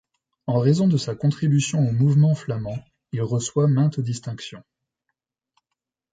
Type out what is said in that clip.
En raison de sa contribution au mouvement flamand, il reçoit mainte distinction.